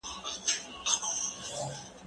زه به اوږده موده لوښي وچولي وم!؟